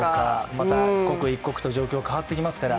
また刻一刻と状況変わっていきますから。